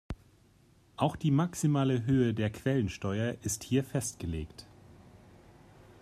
Auch die maximale Höhe der Quellensteuer ist hier festgelegt.